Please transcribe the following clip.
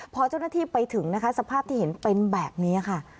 พอเจ้าหน้าที่ไปถึงนะคะสภาพที่เห็นเป็นแบบนี้ค่ะ